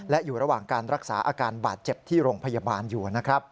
และอยู่ระหว่างการรักษาอาการบาดเจ็บที่โรงพยาบาลอยู่นะครับ